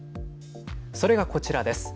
それが、こちらです。